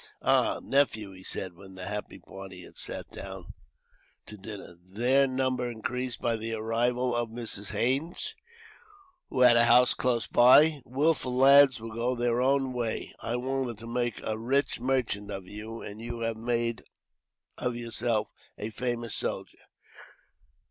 "Ah! Nephew," he said, when the happy party had sat down to dinner, their number increased by the arrival of Mrs. Haines, who had a house close by; "wilful lads will go their own way. I wanted to make a rich merchant of you, and you have made of yourself a famous soldier.